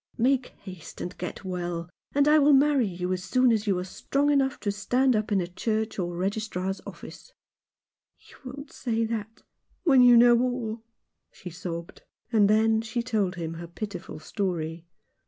Make haste and get well, and I will marry you as soon as you are strong 42 Alone in London. enough to stand up in a church or a registrar's office." "You won't say that, when you know all," she sobbed. And then she told him her pitiful story.